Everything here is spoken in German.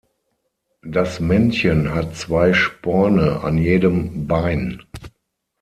Das Männchen hat zwei Sporne an jedem Bein.